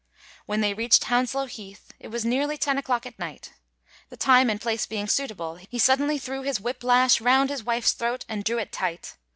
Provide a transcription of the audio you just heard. When they reached Hounslow Heath it was nearly ten o'clock at night. The time and place being suitable, he suddenly threw his whip lash round his wife's throat and drew it tight.